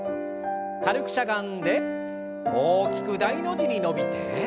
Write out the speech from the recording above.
軽くしゃがんで大きく大の字に伸びて。